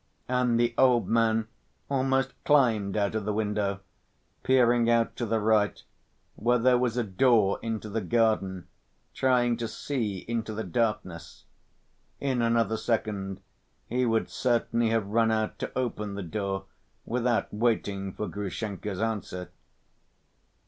And the old man almost climbed out of the window, peering out to the right, where there was a door into the garden, trying to see into the darkness. In another second he would certainly have run out to open the door without waiting for Grushenka's answer.